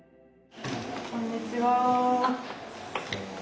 こんにちは。